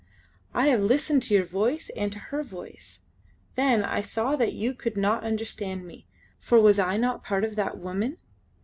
I have listened to your voice and to her voice. Then I saw that you could not understand me; for was I not part of that woman?